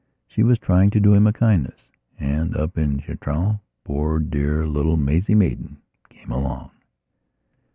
She was trying to do him a kindness. And, up in Chitral, poor dear little Maisie Maidan came along....